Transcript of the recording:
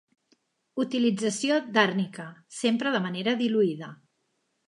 Utilització d'àrnica sempre de manera diluïda.